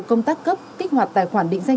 công tác cấp kích hoạt tài khoản định danh